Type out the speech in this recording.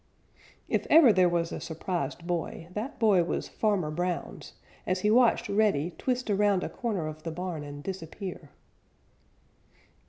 If ever there was a surprised boy, that boy was Farmer Brown's as he watched Reddy twist around a corner of the barn and disappear.